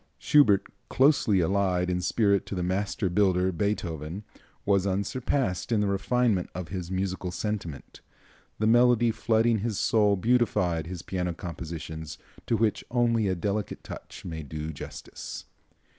Schubert, closely allied in spirit to the master builder, Beethoven, was unsurpassed in the refinement of his musical sentiment. The melody flooding his soul beautified his piano compositions, to which only a delicate touch may do justice.